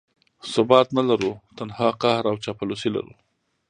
ثبات نه لرو، تنها قهر او چاپلوسي لرو.